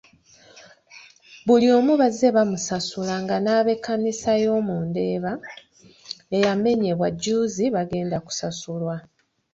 Buli omu bazze bamusasula nga n’abekkanisa y’omu Ndeeba eyamanyebwa jjuuzi bagenda kusasulwa .